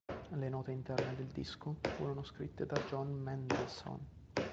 Le note interne del disco furono scritte da John Mendelsohn.